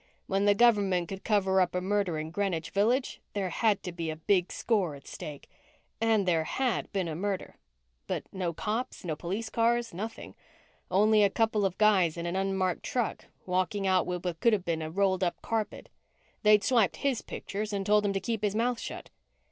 When the government could cover up a murder in Greenwich Village, there had to be a big score at stake. And there had been a murder but no cops, no police cars, nothing. Only a couple of guys in an unmarked truck walking out with what could have been a rolled up carpet. They'd swiped his pictures and told him to keep his mouth shut.